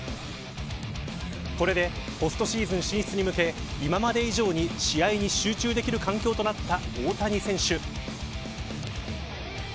これでポストシーズン進出に向け今まで以上に試合に集中できる環境となった大谷選手。